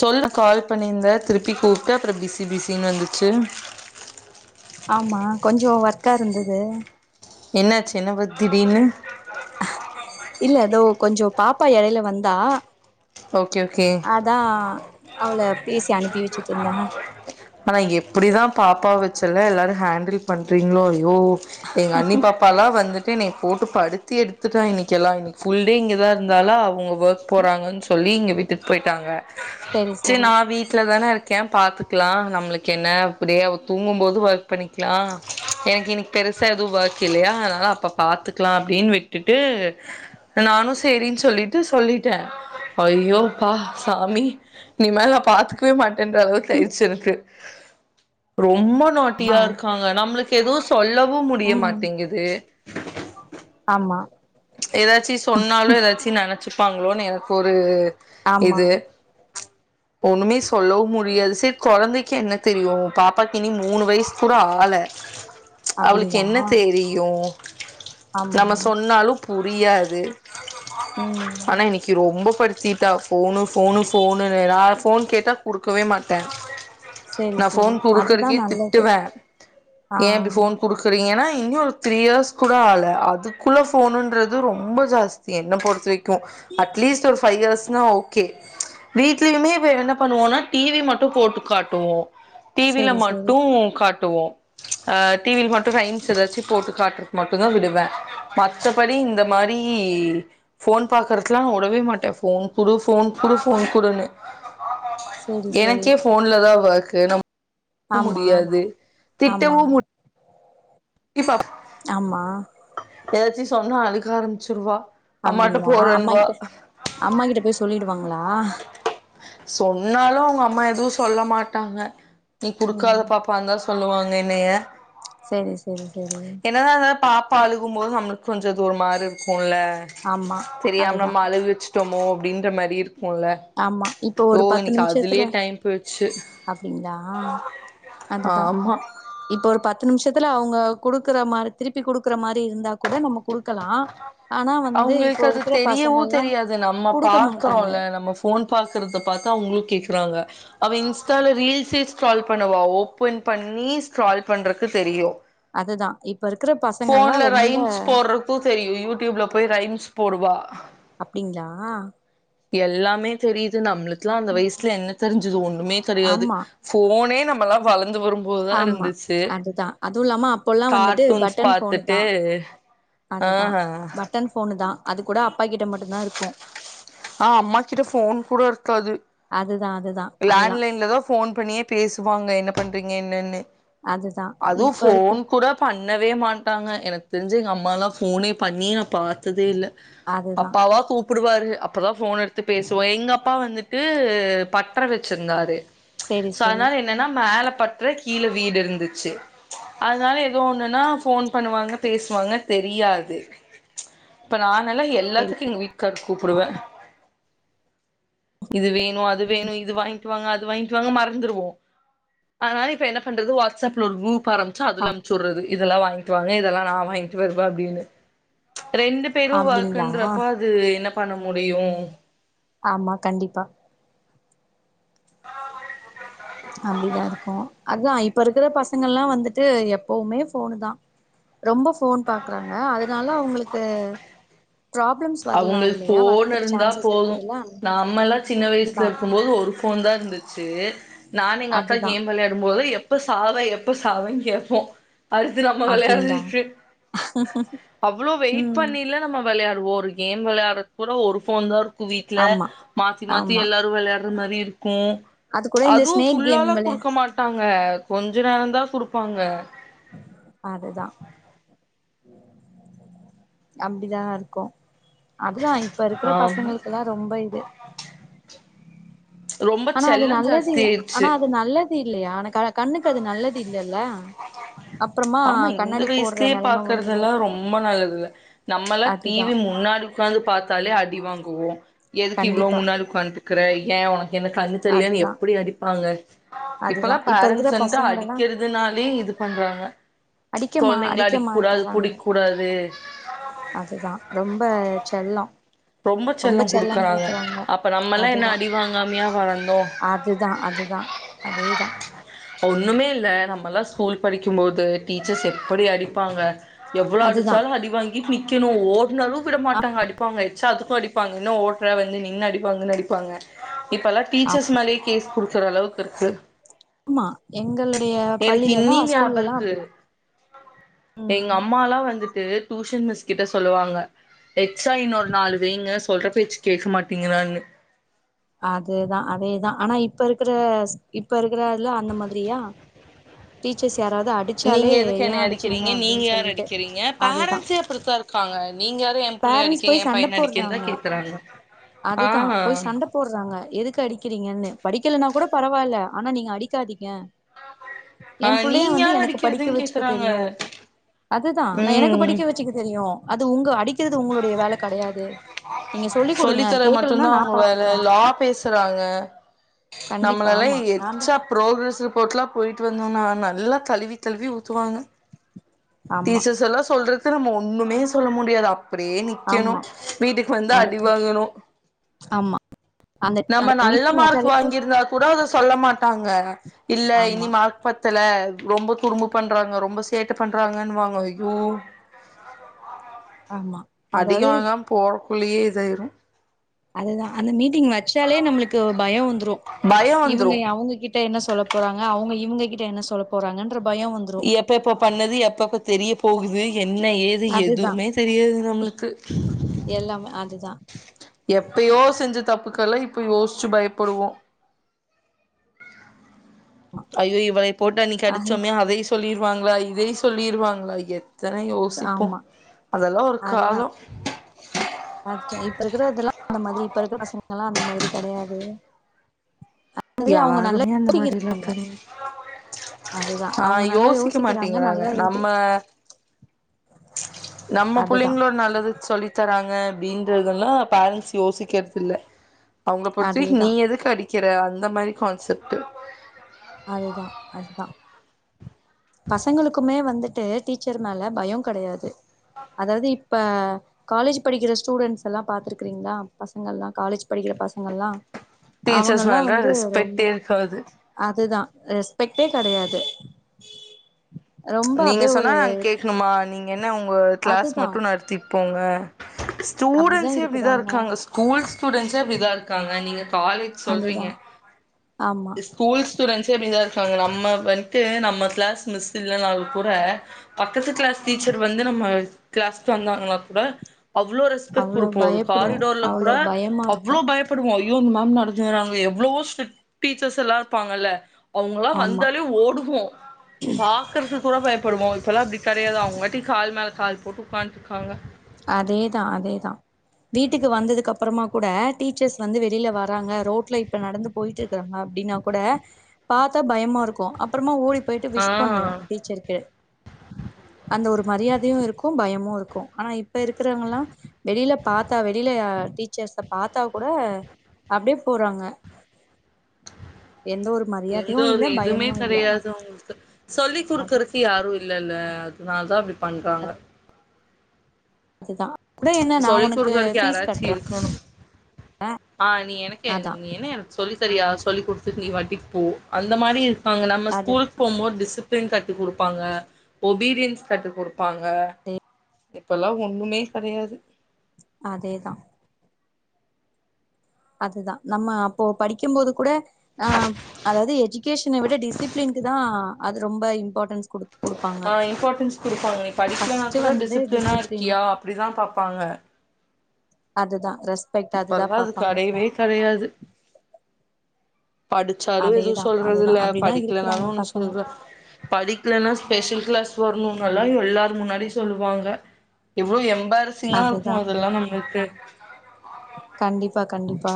சொல்லு கால் பண்ணிருந்த திருப்பி கூப்ட்டே அப்புறம் பிசிபிசினு வந்துச்சு. ஆமா கொஞ்சோ வர்க்கா இருந்து தூ. என்னாச்சு என்ன வர்க் திடீர்னு இல்ல எதோ கொஞ்சோ பாப்பா எடையில வந்தா ஓகே ஓகே அதா அவள பேசி அனுப்பி வெச்சுட்ருந்தே. ஆனா எப்புடிதா பாப்பாவ வெச்சல்லா எல்லாரூ ஹேண்டில் பண்றீங்ளோ யோ எங்க அண்ணி பாப்பால்லா வந்துட் தென்னைய போட்டு படுத்தி எடுத்துட்டா இன்னிக்கி எல்லா இன்னிக்கி ஃபுல் டே இங்கதா இருந்தாலா அவங்க வர்க் போறாங்கன் ஸ் வீங்க விட்டுட் போயிட்டாங்க. செரி சரி செரி நா வீட்ல தானே இருக் க்கே பாத்துக்குலா நம்மளுக்கு என்ன அப்டியே அவ தூங்கும்போது வர்க் பண்ணிக்குலா எனக்கு இன்னிக்கு பெருசா எதுவும் வர்க் இல்லையா அதனால அப்ப பாத்துக்கலா அப்டின்னு விட்டுட்டு நானும் சேரின் சொல்லிட்டு சொல்லிட்டே. ஐயோப்பா சாமி இனி மேல பாத்துக்கவே மாட் இந்த அளவுக்கு ஆயிருச்சு எனக்கு. ரொ ம்ப ஆ நாட்டியா இருக்காங்க நம்மளுக் எதோ சொல்ல துவும் முடிய ம் மாட்டேங்குது. ஆமா ஏதாச்சி சொன்னாலு ஏதாச்சி நன வச்சுப்பாங்களோனு எனக்கு ஒரு ஆமா ச் இப்ப ஒன்னுமேஸ் சொல்லவும் முடியாது செரி கொழந்தைக்கு கு என்ன தெரியும் பாப்பாக்கு இனி மூணு வயசு கூட ஆள அவளுக்கு அப்டிங்களா என்ன தெரியும் ஆமா நம்ம சொன்னாலும் புரியாது ம் ஆனா இன்னைக்கு ரொம்ப படுத்திட்டா போனு போனு போனு நா போன் கேட்டா குடுக்கவே மாட்டேன் செரி நான் செரி போன் அதுதா குடுக்குறக்கே நல்லது திட்டுவேன் ஆ ஏன் இப்டி போன் குடுக்குறீங்கன்னா இன்னும் ஒரு த்ரீ இயர்ஸ் கூட ஆல அதுக்குள்ள போனு றது ரொம்ப ஜாஸ்தி என்ன பொறுத்த வரைக் கும் அட்லீஸ்ட் ஒரு ஃபைவ் இயர்ஸ் னா ஓகே ச் வீட்லயுமே இப்ப என்ன பண்ணுவோனா டி வி மட்டும் போட்டு காட்டுவோம் டி வில செரி செரி மட்டும் காட் டுவோம் ஹ டி வில மட்டும் ரைம்ஸ் ஏதாச்சு போட்டு காட்றதுக்கு மட்டும்தான் விடுவேன் மத்த படி இந்த மாரி போன் பாக்குறதுலாம் நான் உடவே மாட்டேன் போன் குடு போன் குடு போன் குடுன்னு செரி செரி எனக்கே போன்லதான் வ கு நமக் ஆமா முடியாது ஆமா திட்டவும் முடி இபாஃப் ஆமா ஏதாச்சும் சொன்னா அழுக ஆரம்பிச்சிருவா அம்மாட்ட அப்டிங்களா அம்மா போறேன்னுவா கிட்ட அம்மா கிட்ட போய் சொல்லிடு வாங்களா சொன்னாலும் அவுங்க அம்மா எதுவும் சொல்ல மாட்டாங்க நீ குடுக்காத ம் பாப்பான் தான் சொ சொல்லுவாங்க என்னைய செரி செரி செரி பா அழுகும் போது நம்மள்க் கொஞ்சோ அது ஒர் மார்ருக்குல்ல ல ஆமா தெரியாம அதுதா நம்ம அழுக வச்சுட்டோமோ அப்டின்ற மாரி இருக் குல்ல ஆமா இப்போ ஒரு பத்து நிம்ஷெத்துல அப்டிங்ளா அதுதா ஆமா இப்ப ஒரு பத் த்து நிமிஷத்துல அவுங்க குடுக்குற மாரி திருப்பி குடுக்குற மாரி இருந்தா கூட நமக் குடுக்கலா ஆனா வந்து அவங்களுக்கு இப்போ அது இருக்குற தெரியவு பசங்கல்லா தெரியாது நம்ம குடுக்க மாட்டாங்க பாக்குறோம்ல நம்ம ஃபோன் பாக்குறத பாத்தா அவுங்ளு கேக்குறாங்க அவ இன்ஸ்டால ரீல்ஸே ஸ்ட்ரால் பண்ணுவா ஓபன் பண்ணி ஸ்ட்ரால் பண்றக்கு தெரியு அதுதா இப் ஃபோன்ல ரைம்ஸ் போட்றக்கு தெரியு யூடியூப்ல போய் ரைம்ஸ் போடுவா அப்டிங்ளா எல்லாமே தெரியிது நம்ளுக் க்லா அந்த வயசுல என்ன தெருஞ்சது ஒண்ணுமே கெடையாது ஆமா ஃபோனே நம் ம்மளா வள ஆமா அதுதா அதுவுல்லாம அப்போல்லா வந்துட்டு கார்ட்டூன்ஸ் பட்டன் ஃபோனு பாத்துட்டு தா ஆ அதுதா ஹா பட்டன் ஃபோனு தா அது கூட அப் அப்பாக்கிட்ட மட்டுந்தா இருக்கூ ஆ அம்மாக்கிட்ட ஃபோன் கூடருக்காது தா அது லேண்ட்லைன்லதா ஃபோன் பண்ணியே பேசுவாங்க என்ன பண் றீங்க என்னன்னு அதுதா அதூ இப்ப இருக்க ஃபோன் கூட பண் ணவே மாட்டாங்க எனக் தெருஞ்சு எங்க அம்மால்லா ஃபோனே பண்ணியே நா பாத்ததே இல்ல அதுதா அப்பாவ கூப் புடுவாரு அப்பதா ஃபோன் எடுத்து பேசுவோ எங்க அப்பா வந்துட் டு பாட் ட்ற வச்சுருந்தாரு சேரி ப்ச் சோ சேரி அத்னால என்னன்னா மேல பற்ற கீழ வீடு இருந்துச்சு அதனால எதோ ஒண்ணுன்னா ஃபோன் பண்ணுவாங்க பேசுவாங்க ப்ச் தெரியாது இப்ப நா நால சேரி எல்லாத்துக்கு எங்க வீட்டுக்கார் கூப்புடுவே இதுவே நோ அது வேணும் இது இது வாங்கிட்டு வாங்க அது வாங்கிட்டு வாங்க மறந்துருவோம் அதனால இப்ப என்ன பண்றது வாட்சப்ல் குரூப் ஆரம்பிச்சா அதூல அனூப்சிவுட்றது இதெல்லாம் வாங்கிட்டு வாங்க இதெல்லாம் நா வாங்க் ட்டு வருவா அப்டின்னு ரெண்டு ப்ச் பேரும் அப்டிங்களா ஒர்க்ன்றப்ப அது என்னப் பண்ண முடியும் ஆமா கண்டிப்பா [unintelligible] அப்படிதான் இருக்கும் அதா இப்ப இருக்கிற பசங்கள்ல்லாம் வந்துட்டு எப்பவுமே போனு தான் ரொம்ப ஃபோன் பாக்குறாங்க அதனால அவங்களுக்கு ப்ராப்ளம்ஸ் வரலாம் அவங்களுக்கு இல்லையா ஃபோன் வர்றதுக்கு இருந்தா சான்சஸ் போது இருக்குதுல்ல நாமெல்லா சின்ன வயசுல இதுதான் இருக்கும்போது ஒரு ஃபோன் தான் இருந்துச்சு நானூ எங்க அக்கா அதுதா கேம் விளையாடும்போது எப் எப்ப சாவே எப்ப சாவேன்னு கேட்போம் அடுத்தூ நம்ம அப்டிங்களா விளையாட்றதுக்கு அவ்ளோ வெயிட் ம் பண்ணியல்லா நம்ம வொ விளையாட்றுவோ ஒரு கேம் விளையாட்றதுக் கூட ஒரு போன் தான் இரு வீட்ல ஆமா மாத்தி மாத்தி ஆமா எல்லாரும் விளையாட்றதுமாத்ரி இர் ஹூம் அது கூட இந்த அதுவும் ஸ்னேக் கேம் ஃபுல்லாலா வெளயா கொடுக்க மாட்டாங்க கொஞ்ச நேரம்தா குடுப்பாங்க அதுதான் அப்படிதான் இருக்கும் அதுதான் இப்ப இருக்கிற ஆமா பசங்களுக்கெல்லாம் ரொம்ப இது ரொம்ப ஆனா அது செல்லம் நல்லது ஜாஸ்தி ஆனா ஆயிடுச்சு அது நல்ல இல்லையா? ஆன கண கண்ணுக்கு அது நல்லது இல்லல்ல அப்புறமா ஆமா இந்த கண்ணாடி போடுற வயசுலயே நெலம வந்துரு பாக்குறதுதெல்லாம் ரொம்ப நல்லது இல்ல நம்மளா அதுதா டிவி முன்னாடி உட்கார்ந்து பார்த்தாலே அடிவாங் இல்ல எதுக்கு இவ்ளோ கண்டிப்பா முன்னாடி உக்காந்து க்றக்யாங் உனக் எனக் கண்ணூ தெரில்லியான்னு அதுதா எப்படி அடிப்பாங்க அதுதா இப்பல்லாம் இப்ப இருக்கிற பேரண்ட்ஸ் வந்து பசங்களல்லா அடிக்கிறதுனாலே இந் பண்றாங்க அடிக்கமா கொழந்தைங்கள அடிக்க அடிக் மா அடிக்க கூடாது மாட்டுறாங்க புடிக் கூடாது, அதுதா ரொம்ப செல்லோ ரொம்ப செல்லம் செல்லோ குடுக்கறாங்க, குடுக்குறாங்க அப்ப நம்மல்லாம் என்ன அதுதா அடிவ்வாங்காமியா வளற்ந்தோம், அதுதா அதுதா அதேதா ஒண்ணுமே இல்ல, நம் பல்லஸ் ஸ்கூல் படிக்கும்போது டீச்சர்ஸ் எப்படி அடிப்பாங்க எவ்வளோ அதுதா அடிச்சாலும் அடி வாங்கிட் நி [unintelligible] [unintelligible] விடமாட்டாங்க அடிப்பாங்க ச்சா அதுக்கும் அடிப்பாங்க என்ன ஓட்ற வந்து நின்னு அடிப்பாங்கன்னு அடிப்பாங்க இப்பலாம் டீச்சர்ஸ் மேலயே கேஸ் குடு சொல்ற அளவுக்கு இருக்கு ஆமா எங்களுடைய பள்ளி இண்ணி ஞாபருக்கு ம் எங்க அம்மாலாம் வந்துட்டு டூஷன் மிஸ் கிட்ட சொல்லுவாங்க எக்ஸா இன்னொரு நாலு வெய்ங்க சொல்ற பேச்சு கேக்க மாட்டீங்கறான்னு அதேதான் அதேதான் ஆனா இப்ப இருக்குற ஸ் இப்ப இருக்கற இதுல அந்த மாதிரியா டீச்சர்ஸ் யாராவது அடிச்சாலே நீங்க எதுக்கு ஏ என்னயா அடிச்சீங்க அடிக்கிறீங்க நீங்க அப்டின்னு யாரு சொல்லிட்டு அடிக்கிறீங்க அதுதா பேரன்ட்ஸே அப்டித்தான் இருக்காங்க நீங்க யாரு என் புள்ளய பேரண்ட்ஸ் அடிக்க போய் என் சண்ட பையன அடிக்கன்னு போடுறாங்க தான் கேக்குறாங்க ஆஹ் ங்க எதுக்கு அடிக்கிறீங்கன்னு படிக்கலன்னாக் கூட பரவால்ல ஆனா நீங்க அடிக்காதீங்க ஆ என் புள்ளைய நீங்க வந்து யாரு எனக்கு படிக்க அடிக்கிறதுன்னு வச்சுக்க கேக்குறாங்க தெரியும் அதுதான் நான் எனக்கு ம் படிக்க வச்சுக்க தெரியும் அது உங்க அடிக் கிறது உங்களுடைய வேல கெடையாது நீங்க சொல்லி குடுங்க சொல்லித்தர கேக்கலனா மட்டுந்தா நான் அவங்க பாத்து வேல லா பேசுறாங்க கண்டிப்பா நம்மளெல்லாம் ஆமா நான்தா எச்சா ப்ரோக்ரஸ் ரிப்போர்ட்லாம் போய்ட்டு வந்து நா நல்லா கலுவி கலுவி ஊத்துவாங்க ஆமா டீசர்ஸ் எல்லாம் சொல்றது [unintelligible] நம்ம ஒண்ணுமே சொல்ல முடியாது அப் அப்டியே நிக்கணு ஆமா வீட்டுக்கு வந்தா அடி நமக்கு வாங்கணு ஆமா அந்த நம்ம அந்த நல்ல மீட்டிங் மார்க் வச்சாலே வாங்கியிருந்தாக்கூட அத சொல்ல மாட்டாங்க இல்ல இனி ஆமா மார்க் பத்தல ரொம்ப துரும்பு பண்றாங்க ரொம்ப சேட்ட பண்றா றாங்கன்னுவாங்க அய்யோ ஆமா அடிக அதாவது வாங்காம போ குளியே இதாயிரும் அதுதான் அந்த மீட் மீட்டிங் வச்சாலே நம்பளுக்கு பயம் வந்துரும் பயோ இவங்க வந்துரு அவுங்ககிட்ட என்ன சொல்ல போறாங்க அவுங்க இவுங்க கிட்ட என்ன சொல்ல போறாங்கன் எப்ப எப்ப பண்ணது எப்பப்ப தெரிய போகுது என்ன ஏது அதுதா எதுமே தெரியாது நம்மளுக்கு எல்லாமே அதுதா எப்பயோ செஞ்சது தப்புக்கெல்லாம் இப்ப யோசிச்சு பயப்படுவோம் ஐயோ இவளைய போட்டு அன்னிக்கு அஹ் அடுச்சோமே அதையு சொல்லிரு வாங்ளா இதையு சொல்லிருவாங்ளா எத் எத்தன யோசிப்போம் ஆமா அதெல்லாம் ஒரு காலம் அது இப்ப இருக்கறதெல்லா [inaudible] மாரி இப்ப இருக்கற பசங்கல்லா அந்த மாரி கடையாது யாருமே அந்த மாரில்லா திங் அதுதா ஆ அவங்க நல்லா யோசிக்க யோசிக்கிறாங்க மாட்டீங்கிறாங்க நல்லா இது நம்ம நம்ம அதுதா புள்ளைங்ளோட நல்லது சொல்லி தராங் க அப்டின்றதல்லா பேரண்ட்ஸ் யோசிக்றது இல்ல அவங்க பொறுத்த வரைக்கு நீ அதேதா எதுக்கு அடி க்கிற அந்த மாரி கான்செப்ட்டு அதுதா அதுதா பசங்களுக்குமே வந்து ட்டு டீச்சர் மேல பயோ கடையாது அதாவது இப் ப்ப காலேஜ் படிக்ற ஸ்டூடெண்ட்ஸ் எல்லா பாத்துருக்கிங்களா பசங்கல்லா காலேஜ் படிக்ற பசங்கல்லா டீச்சர் சொல்ற ரெஸ்பெக்டேயிருக்காது அதுதா ரெஸ்பெக்டே கெடையாது ரொம்ப ச்சு நீங்க அப்டியே சொன்னா ஒரு நாங்க கேக்ணுமா நீங்க என்ன உங்க கிளாஸ் அதுதா மட்டோ நடத்தி போங்க ஸ்டூடன்சே அப்டிதா இருக்காங்க ஸ்கூல் ஸ்டூடன்சே அப்டிதா இருக்காங்க நீங்க காலேஜ் அதுதா சொல்றீங்க ஆமா ஸ்கூல் ஸ்டூடன்ஸ் எப்டிதா இருக்காங்க நம்ம வன்ட்டு நம்ம கிளாஸ் மிஸ் இல்லனாலு கூட பக்கத்து கிளாஸ் டீச்சர் வந்து நம்ம கிளாஸ்க்கு வந்தாங்கன்னா கூட அவ்ளோ ரெஸ்பெக்ட் அவ்ளோ குடுப்போ ஒ பயப்படுவோ காரிடோர்ல கூட அவ்ளோ பயமா இருக்கு அவ்ளோ பயப்டுவோ ஐயோ மேம் நடறாங்க எவ்வளோ ஸ்ட்ரீட் டீச்சர்ஸ் எல்லா இருப்பாங்கல்ல அவங்களா ஆமா வந்தாலே ஓடுவோ பா டீச்சர்ஸ் கூட பயப்டுவோ இப்பெல்லா அப்டி கடையாது அவங்காட்டி கால் மேல கால் போட்டு உட்காந் த்துகாங்க அதேதா அதேதா வீட்டுக்கு வந்ததுக்கு அப்றமா கூட டீச்சர்ஸ் வந்து வெளில வராங்க ரோட்ல இப்ப நடந்து போயிட்டு இருக்குற அப்டின்னா கூட பாத்தா பயமா இருக்கு அப்றமா ஓடி போயிட்டு ஆ விஷ் பண்ணுவோ டீச்சர்க்கு அந்த ஒரு மரியாதையு இருக்கு பயமு இருக்கு ஆனா இப் இப்ப இருக்குறவங்கலா வெளில பாத்தா வெளில யா டீச்சர்ஸ்ஸ பாத்தா கூட அப்டியே போறாங்க எந்த ஒரு எந்த மரியாதையு இல்ல ஒரு இதுமே பயமு இல்ல கடையாது அவங்களுக்கு சொல்லி அது குடுக்குறத்து யாரும் இல் இல்ல இல்ல அதனால தான் அப்டி பண்றாங்க அதுதா கூட என்ன நா சொல்லி உனக்கு குடுக்கரக்கு ஃபீஸ் யாராச்சு கட்டுறே இருக்கணும். ஆஹ் நீ எனக்கு அதா நீ என்ன எனக்கு சொல்லி சரியா சொல்லி் குடுத்து நீ வாட்டி போ அந்த மாரி அங்க நம்ம அது ஸ்கூலுக்கு போம்போது டிசிப் ன் கத்து குடுப்பாங்க ஒபிடியன்ஸ் கத்து குடுப்பாங்க இப்பெல்லாம் ஒண்ணுமே கிடையாது. அதேதான். அதுதான் நம்ம அப்போ படிக்கும் போது கூட ஆஹ் அதாவது எஜுகேஷனைவிட டிசிப்ளின்கு தான் அது ரொம்ப இம்பார்ட்டன்ஸ் குடு குடுப்பாங்க ஆஹ் இம்பார்ட்டன்ஸ் குடுப்பாங்க நீ படிக்கலனா ஃபர்ஸ்ட் கூட வந்து டிசிப்ளினா டிசிப்ளின் இருக்கியா அப்படிதான் பாப்பாங்க. அதுதான். இப்பலாம் அது கடையவே கடையாது. படிச்சாலும் எதுவும் அதேதா சொல்றது அதுதா இல்ல அப்டிதா இருக்குறாங்க படிக்கலனாலும் ஒண்ணும் பசங்க சொல் படிக்கலன்னா ஸ்பெஷல் கிளாஸ் சொரணும் எல்லாம் எல்லாரும் முன்னாடி சொல்லுவாங்க இவ்வளோ எ பரிசிங்கா அதுதா இருக்கும் அது அதெல்லாம் நம்மளுக்கு. கண்டிப்பா கண்டிப்பா.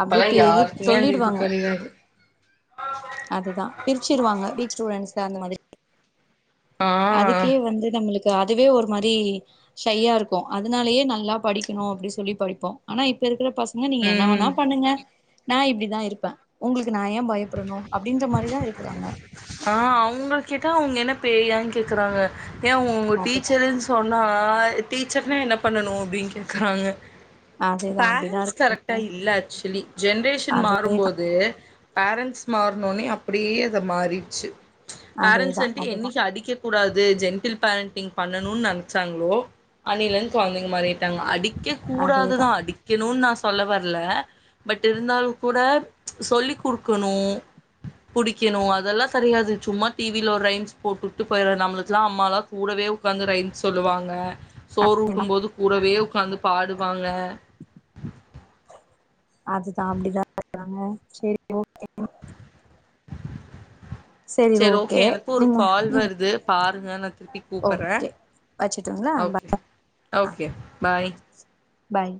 அப்படிய இப்பல்லா டி யாருக்குமே அந்த இது சொல்லிடுவாங்க கெடையாது அதுதான் பிரிச்சிருவாங்க வீக் ஸ்டூடெண்ட்ஸ் அந்த மாதிரி. ஆ அதுக்கே வந்து நம்மளுக் அதுவே ஒரு மாதிரி சையா இருக்கும் அதனாலயே நல்லா படிக்கணும் அப்படி சொல்லி படிப்போம் ஆனா இப்ப இரு இப் பசங்க நீங்க என்ன வேணா ம் பண்ணுங்க. நான் இப்படிதான் இருப்பேன் உங்களுக் நான் ஏன் பயப்படணும் அப்படின்ற மாதிரிதான் இருக்கிறாங்க. ஆ அவங்கள கேட்டா அவங்க என்ன பேயான் கேக்குறாங்க. ஏன் உங்க டீச்சருன் சொன்னா டீச்சர்னா என்ன பண்ணனும் அப்படின் கேக்குறாங்க. அதேதா அப்டிதா இரு பேரண்ட்ஸ் கரெக்டா இல்ல ஆக்சுவலி ஜென்ரேஷன் அதேதா மாறும்போது பேரண்ட்ஸ் மாறனோனே அப்படியே அதை மாறிடுச்சு. பேரெண்ட்ஸ் அதேதா வண்ட்டு அதுதா என்னைக்கு அடிக்க கூடாது ஜென்டில் பேரண்டிங் பண்ணணுன் நினைச்சாங்களோ அன்னிலருந் குழந்தைங்க மாறி - அடிக்க அதேதா கூடாதுதான் அடிக்கணும்னு நான் சொ சொல்ல வரல பட் இருந்தால கூட சொல்லி குடுக்கணும் புடிக்கணும் அதெல்லாம் கிடையாது சும்மா டிவில ஒரு ரைம்ஸ் போட்டுட்டு போய்ருவோ நம்மளுக்குல்லாம் அம்மாலாம் கூடவே உட்காந்து ரைம்ஸ் சொல்லுவாங்க சோறு ஊட்டும் போது கூடவே உக்காந்து பாடுவாங்க. அதுதான் அப்படிதான் சொல்றாங்க சரி ஓ சேரி சரி ஓகே எனக்கும் ஒரு நீங்க கால் வருது பாருங்க நான் திருப்பி கூப்பிறேன் ஓகே வச்சுட்டுங்களா ஓகே ஓகே பாய். பாய்